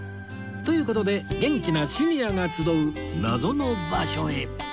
という事で元気なシニアが集う謎の場所へ